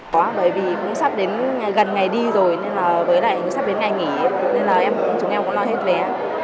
bởi vì cũng sắp đến gần ngày đi rồi với lại sắp đến ngày nghỉ nên chúng em cũng lo hết vé